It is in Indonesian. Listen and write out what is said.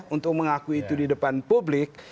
untuk mengaku itu di depan publik